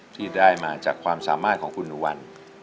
ที่ได้มาจากความสามารถของคุณหนูวัน